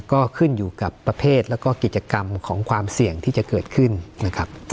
ก็ขึ้นอยู่กับประเภทแล้วก็กิจกรรมของความเสี่ยงที่จะเกิดขึ้นนะครับ